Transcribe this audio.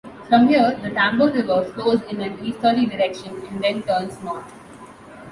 From here the Tambo River flows in an easterly direction and then turns north.